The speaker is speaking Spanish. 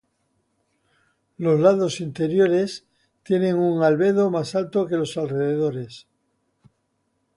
Los lados interiores tienen un albedo más alto que los alrededores.